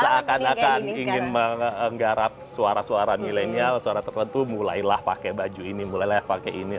seakan akan ingin menggarap suara suara milenial suara tertentu mulailah pakai baju ini mulailah pakai ini